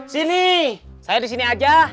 sini saya disini aja